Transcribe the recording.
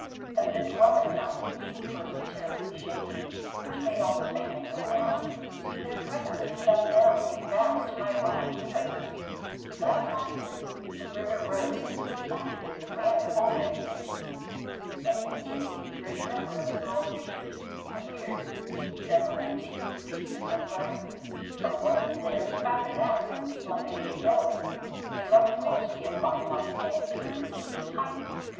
that the dwelling house being first terribly shaken, which made all the family run out, there presently fell down a vast high rock near it; that upon this the river rose and subsided in the man ner already mentioned, and immediately a great number of small fissures appeared in several contiguous pieces of ground, from whence there spouted out, like a jet d'eau, a large quantity of fine white sand to a prodigious height.